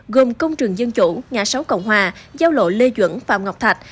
gồm công trường dân chủ ngã sáu cộng hòa giao lộ lê duẩn phạm ngọc thạch